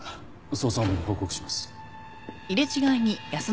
捜査本部に報告します。